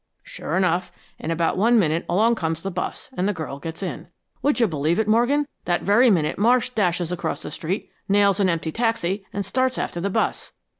Sure enough, in about one minute along comes the bus and the girl gets in. Would you believe it, Morgan, that very minute Marsh dashes across the street, nails an empty taxi and starts after the bus."